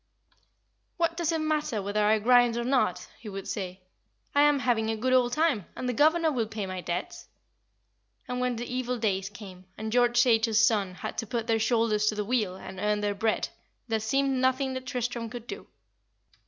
"What does it matter whether I grind or not?" he would say. "I am having a good old time, and the governor will pay my debts." And when the evil days came, and George Chaytor's sons had to put their shoulders to the wheel and earn their bread, there seemed nothing that Tristram could do.